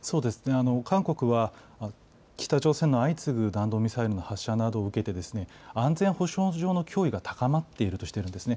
韓国は北朝鮮の相次ぐ弾道ミサイルの発射などを受けて、安全保障上の脅威が高まっているとしているんですね。